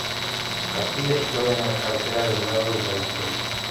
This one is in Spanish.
Capilla situada en la cabecera del lado del evangelio.